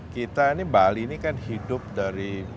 kita ini bali ini kan hidup dari